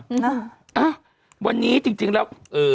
อ่ะวันนี้จริงแล้ว